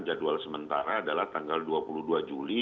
jadwal sementara adalah tanggal dua puluh dua juli